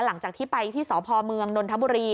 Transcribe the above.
หลังจากที่ไปที่สพเมืองนนทบุรี